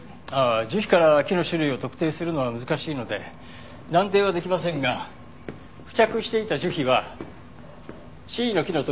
樹皮から木の種類を特定するのは難しいので断定はできませんが付着していた樹皮はシイの木の特徴を有しています。